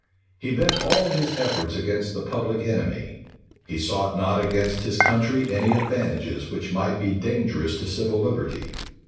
He bent all his efforts against the public enemy: he sought not against his country any advantages which might be dangerous to civil liberty.